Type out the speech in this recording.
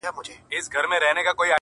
هو په همزولو کي له ټولو څخه پاس يمه.